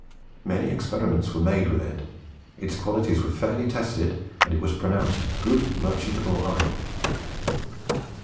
Many experiments were made with it: its qualities were fairly tested, and it was pronounced "good merchantable iron."